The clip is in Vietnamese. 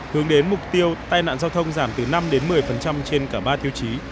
hướng đến mục tiêu tai nạn giao thông giảm từ năm đến một mươi trên cả ba tiêu chí